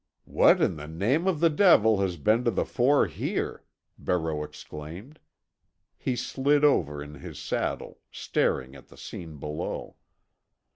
"What in the name of the devil has been to the fore here?" Barreau exclaimed. He slid over in his saddle, staring at the scene below.